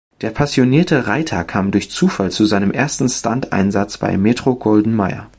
Der passionierte Reiter kam durch Zufall zu seinem ersten Stunt-Einsatz bei Metro-Goldwyn-Mayer.